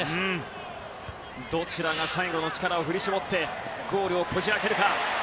どちらが最後の力を振り絞ってゴールをこじ開けるか。